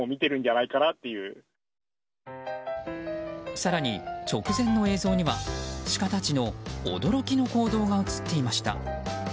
更に、直前の映像にはシカたちの驚きの行動が映っていました。